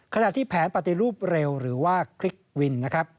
ขณะที่แผนปฏิรูปเร็วหรือว่าคลิกวินนะครับ